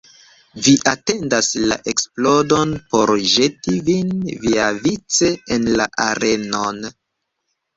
Vi atendas la eksplodon por ĵeti vin viavice en la arenon.